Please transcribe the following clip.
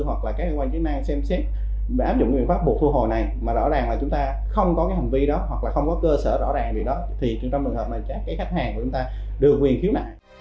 hoặc là các liên quan chức năng xem xét và áp dụng cái biện pháp buộc thu hồi này mà rõ ràng là chúng ta không có cái hành vi đó hoặc là không có cơ sở rõ ràng gì đó thì trong trường hợp này chắc cái khách hàng của chúng ta được quyền khiếu nặng